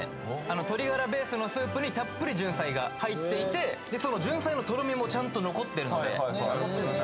鶏がらベースのスープにたっぷりじゅんさいが入っていて、そのじゅんさいのとろみもちゃんと残ってるので。